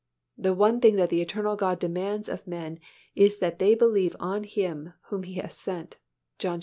The one thing that the eternal God demands of men is that they believe on Him whom He hath sent (John vi.